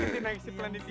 sini naik simpelan di sini